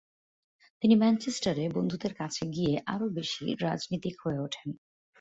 তিনি ম্যানচেস্টারে বন্ধুদের কাছে গিয়ে আরো বেশি রাজনীতিক হয়ে ওঠেন।